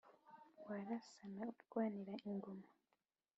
warasana arwanira ingoma.